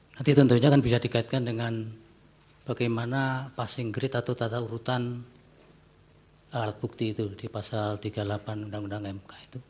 nanti tentunya akan bisa dikaitkan dengan bagaimana passing grade atau tata urutan alat bukti itu di pasal tiga puluh delapan undang undang mk itu